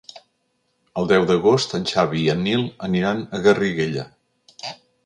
El deu d'agost en Xavi i en Nil aniran a Garriguella.